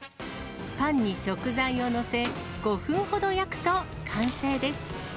パンに食材を載せ、５分ほど焼くと完成です。